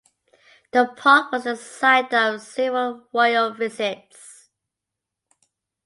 The park was the site of several royal visits.